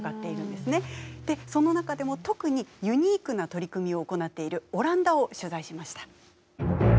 でその中でも特にユニークな取り組みを行っているオランダを取材しました。